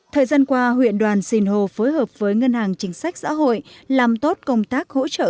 thời gian qua huyện đoàn xìn hồ phối hợp với ngân hàng chính sách xã hội làm tốt công tác hỗ trợ